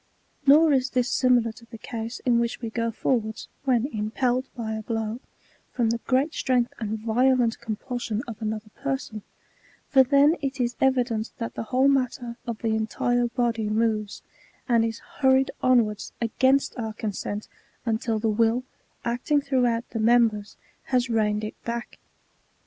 Nor is this similar to the case in which we go forwards, when impelled by a blow, from the great strength and violent compulsion of another person, for then it is evident that the whole matter of the entire body moves, and is hurried on wards, against our consent, until the will, acting throughout the members, has reined it back.